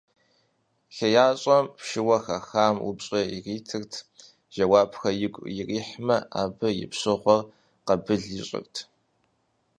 ХеящӀэм пщыуэ хахам упщӀэ иритырт, жэуапхэр игу ирихьмэ, абы и пщыгъуэр къэбыл ищӀырт.